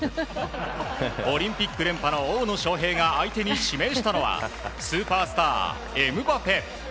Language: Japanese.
オリンピック連覇の大野将平が相手に指名したのはスーパースター、エムバペ。